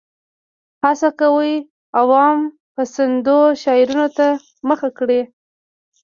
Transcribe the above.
هڅه کوي عوام پسندو شعارونو ته مخه کړي.